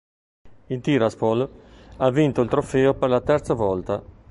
Il Tiraspol ha vinto il trofeo per la terza volta.